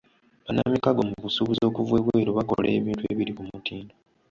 Bannamikago mu busuubuzi okuva ebweru bakola ebintu ebiri ku mutindo.